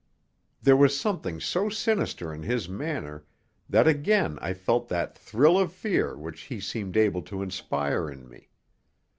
There was something so sinister in his manner that again I felt that thrill of fear which he seemed able to inspire in me.